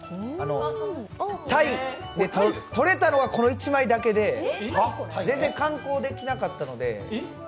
タイで撮れたのはこの１枚だけで、全然観光できなかったので。